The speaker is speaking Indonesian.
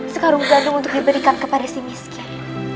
sekarung gandum untuk diberikan kepada si miskin